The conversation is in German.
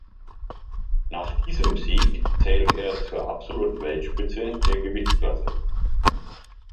Nach diesem Sieg zählt er zur absoluten Weltspitze der Gewichtsklasse.